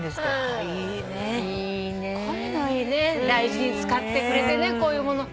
大事に使ってくれてねこういうもの。